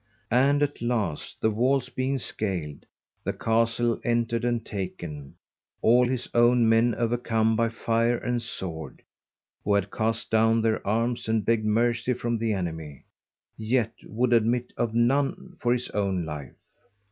And at last, the walls being scaled, the Castle enter'd and taken, all his own men overcome by fire and sword, who had cast down their Arms, and begged mercy from the Enemy; yet would admit of none for his own life.